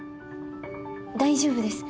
大丈夫です。